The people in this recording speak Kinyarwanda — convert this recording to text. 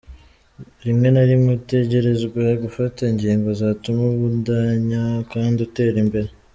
Rimwe na rimwe utegerezwa gufata ingingo zotuma ubandanya kandi utera imbere.